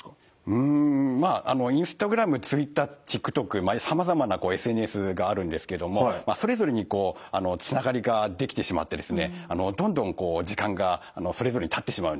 うんまあＩｎｓｔａｇｒａｍＴｗｉｔｔｅｒＴｉｋＴｏｋさまざまなＳＮＳがあるんですけどもそれぞれにつながりができてしまってですねどんどん時間がそれぞれにたってしまうんですね。